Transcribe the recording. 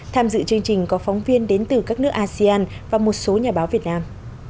tham dự chương trình có phóng viên đến từ các nước asean và một số nhà báo việt nam